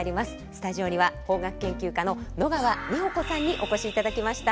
スタジオには邦楽研究家の野川美穂子さんにお越しいただきました。